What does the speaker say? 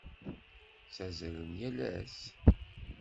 Ttazzalen yal ass?